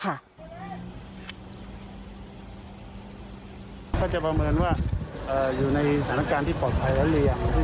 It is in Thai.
ก็จะประเมินว่าอยู่ในสถานการณ์ที่ปลอดภัยแล้วหรือยัง